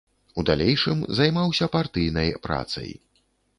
У далейшым займаўся партыйнай працай.